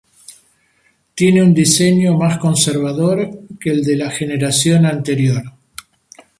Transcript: Tiene un diseño más conservador que el de la generación anterior.